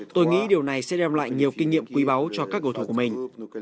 tôi nghĩ điều này sẽ đem lại nhiều kinh nghiệm quý báu cho các cầu thủ của mình